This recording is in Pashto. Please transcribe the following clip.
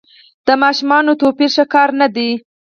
د ماشومانو توپیر ښه کار نه دی.